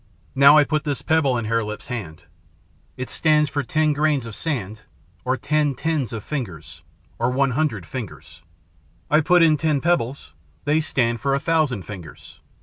Now I put this pebble in Hare Lip's hand. It stands for ten grains of sand, or ten tens of fingers, or one hundred fingers. I put in ten pebbles. They stand for a thousand fingers.